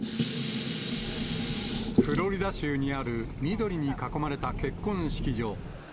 フロリダ州にある緑に囲まれた結婚式場。